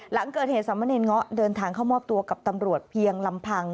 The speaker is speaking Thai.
หลังเกิดเหตุสามเณรเงาะเดินทางเข้ามอบตัวกับตำรวจเพียงลำพัง